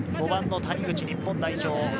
５番の谷口、日本代表。